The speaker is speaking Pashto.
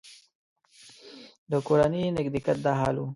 د کورني نږدېکت دا حال و.